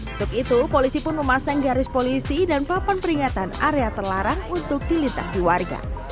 untuk itu polisi pun memasang garis polisi dan papan peringatan area terlarang untuk dilintasi warga